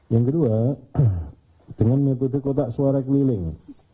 yang kedua dengan metode kotak suara keliling